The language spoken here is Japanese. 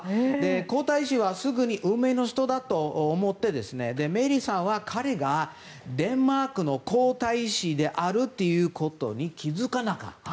皇太子はすぐに運命の人だと思ってメアリーさんは彼がデンマークの皇太子であるということに気付かなかった。